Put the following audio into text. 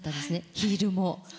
ヒールも。